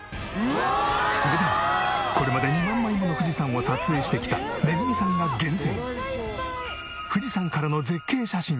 それではこれまで２万枚もの富士山を撮影してきためぐみさんが厳選富士山からの絶景写真。